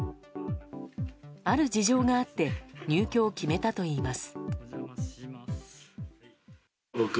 ある事情があって入居を決めたといいます。